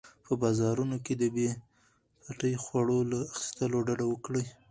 په بازارونو کې د بې پټي خواړو له اخیستلو ډډه وکړئ.